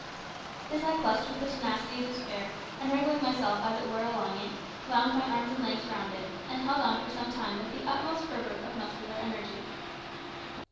This I clutched with the tenacity of despair, and wriggling myself, as it were, along it, wound my arms and legs round it, and held on for some time with the utmost fervour of muscular energy.